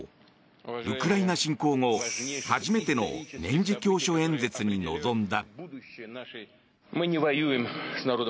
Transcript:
ウクライナ侵攻後初めての年次教書演説に臨んだ。